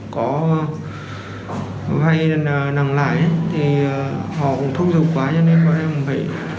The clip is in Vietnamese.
có vay nặng lãi họ cũng thúc giục quá nên bọn em phải tìm cách làm điều thôi